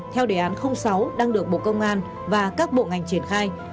theo đề án sáu đang được bộ công an và các bộ ngành triển khai